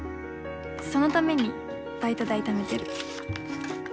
そのためにバイト代ためてる。